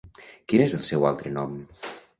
Quin és el seu altre nom?